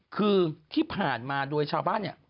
คือที่ผ่านมาโดยชาวบ้านเนี่ย